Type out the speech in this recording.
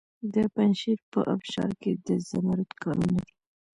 د پنجشیر په ابشار کې د زمرد کانونه دي.